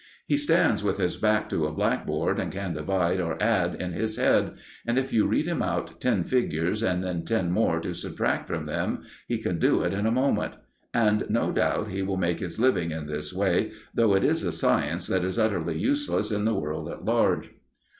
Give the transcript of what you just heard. He stands with his back to a blackboard, and can divide or add in his head; and if you read him out ten figures, and then ten more to subtract from them, he can do it in a moment. And no doubt he will make his living in this way, though it is a science that is utterly useless in the world at large.